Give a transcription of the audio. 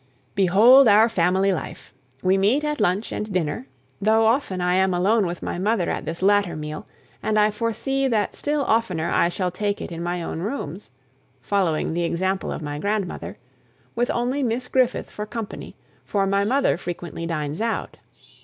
Behold our family life! We meet at lunch and dinner, though often I am alone with my mother at this latter meal, and I foresee that still oftener I shall take it in my own rooms (following the example of my grandmother) with only Miss Griffith for company, for my mother frequently dines out.